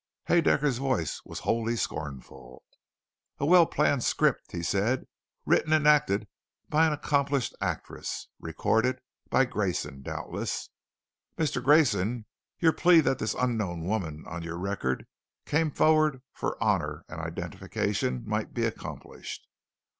Haedaecker's voice was wholly scornful. "A well planned script," he said, "written and acted by an accomplished actress, recorded by Grayson doubtless, Mister Grayson your plea that this unknown woman on your record come forward for honor and identification might be accomplished.